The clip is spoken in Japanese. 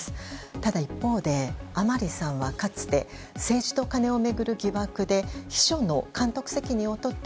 ただ、一方で甘利さんはかつて政治とカネを巡る疑惑で秘書の監督責任を取って